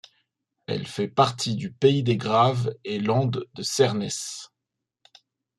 Elle fait partie du Pays des Graves et Landes de Cernès.